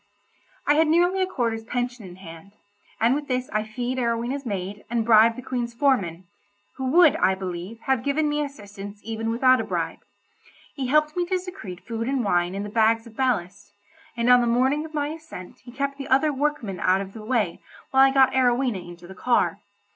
I had nearly a quarter's pension in hand, and with this I fee'd Arowhena's maid, and bribed the Queen's foreman—who would, I believe, have given me assistance even without a bribe. He helped me to secrete food and wine in the bags of ballast, and on the morning of my ascent he kept the other workmen out of the way while I got Arowhena into the car.